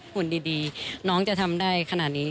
หุ่นดีน้องจะทำได้ขนาดนี้